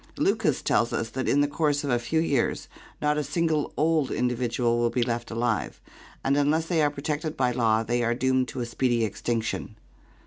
Lucas tells us that in the course of a few years not a single old individual will be left alive, and unless they are protected by law they are doomed to a speedy extinction.